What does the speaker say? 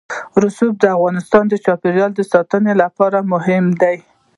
رسوب د افغانستان د چاپیریال ساتنې لپاره مهم دي.